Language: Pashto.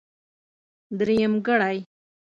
درېمګړی.